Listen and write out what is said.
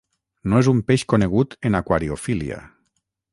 No és un peix conegut en aquariofília.